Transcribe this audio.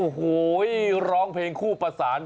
โอ้โหร้องเพลงคู่ประสาน